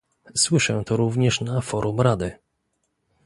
Słyszę to również na forum Rady